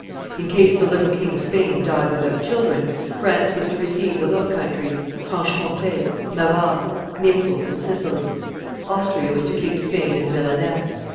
In case the little King of Spain died without children, France was to receive the Low Countries, Franche Comte, Navarre, Naples, and Sicily; Austria was to keep Spain and Milaness.